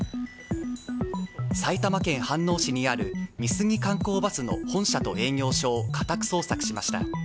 埼玉県飯能市にある美杉観光バスの本社と営業所を家宅捜索しました。